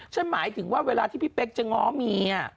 ฉันหมายถึงเวลาที่พี่เป๊๊กจะง้อเมีย